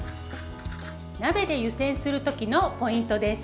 鍋で湯煎する時のポイントです。